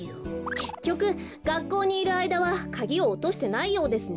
けっきょくがっこうにいるあいだはカギをおとしてないようですね。